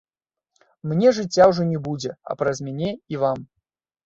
Мне жыцця ўжо не будзе, а праз мяне і вам.